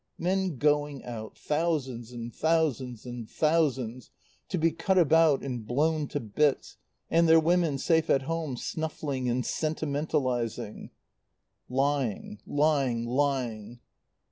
"Men going out thousands and thousands and thousands to be cut about and blown to bits, and their women safe at home, snuffling and sentimentalizing "Lying lying lying."